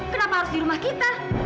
kenapa harus di rumah kita